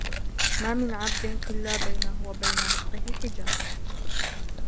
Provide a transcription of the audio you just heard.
مَا مِنْ عَبْدٍ إلَّا بَيْنَهُ وَبَيْنَ رِزْقِهِ حِجَابٌ